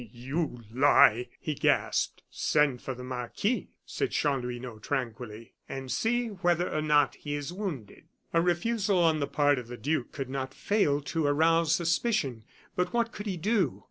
you lie!" he gasped. "Send for the marquis," said Chanlouineau, tranquilly, "and see whether or not he is wounded." A refusal on the part of the duke could not fail to arouse suspicion. But what could he do?